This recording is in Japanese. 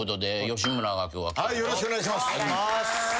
よろしくお願いします。